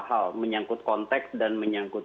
hal menyangkut konteks dan menyangkut